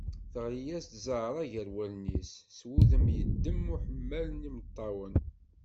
Teɣli-as-d Zahra gar yiɣallen-is s wudem yeddem uḥemmal n yimeṭṭawen.